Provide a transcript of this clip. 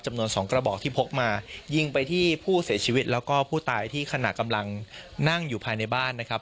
สองกระบอกที่พกมายิงไปที่ผู้เสียชีวิตแล้วก็ผู้ตายที่ขณะกำลังนั่งอยู่ภายในบ้านนะครับ